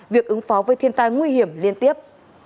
việc ứng phó với thiên tai nguy hiểm liên tiếp